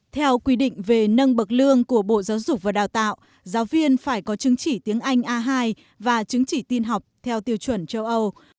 theo quy định về nâng bậc lương của bộ giáo dục và đào tạo giáo viên phải có chứng chỉ tiếng anh a hai và chứng chỉ tin học theo tiêu chuẩn châu âu